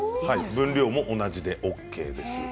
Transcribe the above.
分量も同じでＯＫです。